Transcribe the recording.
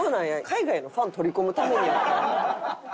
海外のファン取り込むためにやって。